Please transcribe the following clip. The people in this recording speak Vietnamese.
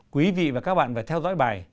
quý vị và các bạn phải theo dõi bài